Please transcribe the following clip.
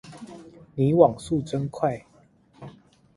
你網速真快